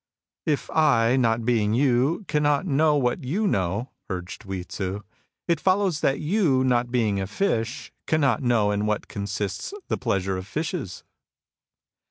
" If I, not being you, cannot know what you know," urged Hui Tzu, " it follows that you, not being a fish, cannot kaow in what consists the pleasure of fishes."